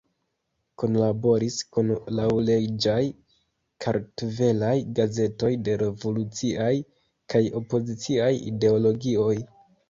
Kunlaboris kun laŭleĝaj kartvelaj gazetoj de revoluciaj kaj opoziciaj ideologioj.